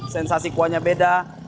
sensasi kuahnya beda